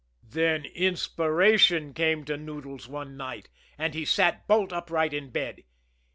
Then inspiration came to Noodles one night and he sat bolt upright in bed.